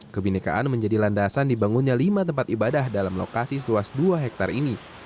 kebinekaan menjadi landasan dibangunnya lima tempat ibadah dalam lokasi seluas dua hektare ini